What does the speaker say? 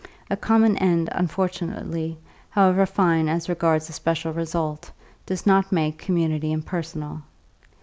A common end, unfortunately, however fine as regards a special result, does not make community impersonal.